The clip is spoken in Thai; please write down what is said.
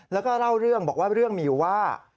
แล้วก็เล่าเรื่องบอกว่าเรื่องมีอยู่ว่า